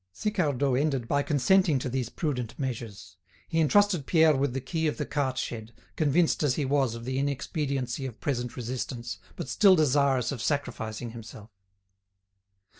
Sicardot ended by consenting to these prudent measures. He entrusted Pierre with the key of the cart shed, convinced as he was of the inexpediency of present resistance, but still desirous of sacrificing himself.